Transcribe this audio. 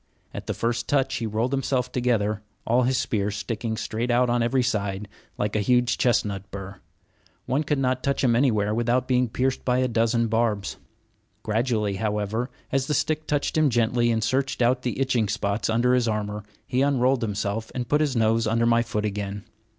At the first touch he rolled himself together, all his spears sticking straight out on every side, like a huge chestnut bur. One could not touch him anywhere without being pierced by a dozen barbs. Gradually, however, as the stick touched him gently and searched out the itching spots under his armor, he unrolled himself and put his nose under my foot again.